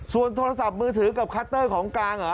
ส่วนโทรศัพท์มือถือกับคัตเตอร์ของกลางเหรอ